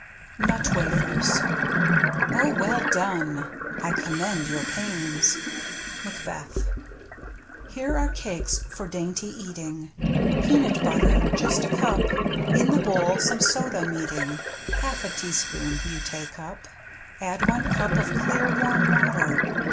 NUT WAFERS well done I I commend your pains. — Macbeth. Here are cakes for dainty eating: Peanut butter, just a cup, In the bowl some soda meeting (Half a teaspoon, you take up). Add one cup of clear, warm water.